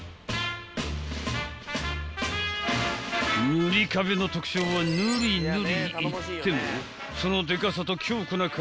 ［ぬりかべの特徴はぬりぬりいってもそのでかさと強固な体。